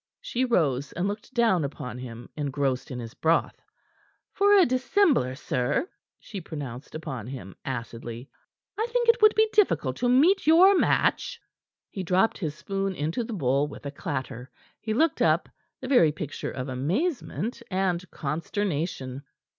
She rose, and looked down upon him engrossed in his broth. "For a dissembler, sir," she pronounced upon him acidly, "I think it would be difficult to meet your match." He dropped his spoon into the bowl with a clatter. He looked up, the very picture of amazement and consternation.